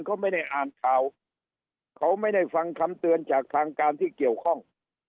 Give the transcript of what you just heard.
เขาไม่ได้อ่านข่าวเขาไม่ได้ฟังคำเตือนจากทางการที่เกี่ยวข้อง